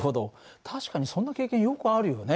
確かにそんな経験よくあるよね。